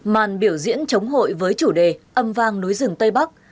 màn biểu diễn chống hội với chủ đề âm vang núi rừng tây bắc